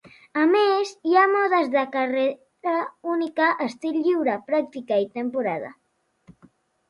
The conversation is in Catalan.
A més, hi ha modes de carrera única, estil lliure, pràctica i temporada.